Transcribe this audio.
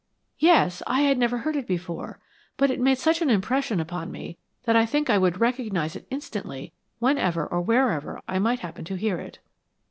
"Yes; I have never heard it before, but it made such an impression upon me that I think I would recognize it instantly whenever or wherever I might happen to hear it."